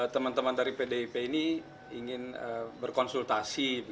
teman teman dari pdip ini ingin berkonsultasi